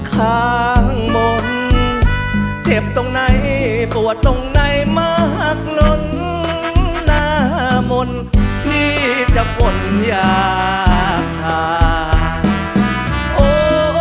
ข้างมนต์เจ็บตรงไหนปวดตรงไหนมากล้นหน้ามนต์พี่จะป่นยาขาด